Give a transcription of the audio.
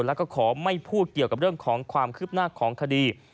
แล้วก็ขอไม่พูดเกี่ยวกับเรื่องของความคืบหน้าของคดี